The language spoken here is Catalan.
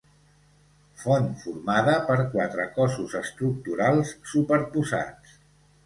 Font formada per quatre cossos estructurals superposats.